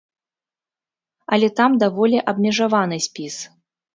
Але там даволі абмежаваны спіс.